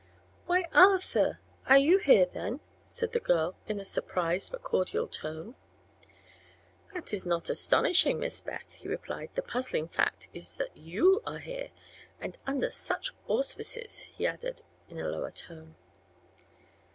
"Why, Arthur! are you here, then?" said the girl, in a surprised but cordial tone. "That is not astonishing, Miss Beth," he replied. "The puzzling fact is that you are here and under such auspices," he added, in a lower tone.